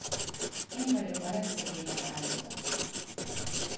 Én vagyok a legszegényebb áldozat.